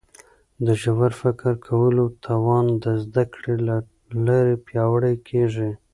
د ژور فکر کولو توان د زده کړي له لارې پیاوړی کیږي.